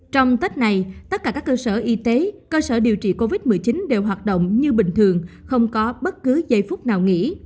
trong tết này tất cả các cơ sở y tế cơ sở điều trị covid một mươi chín đều hoạt động như bình thường không có bất cứ giây phút nào nghỉ